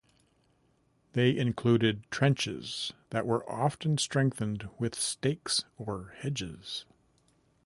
They included trenches that were often strengthened with stakes or hedges.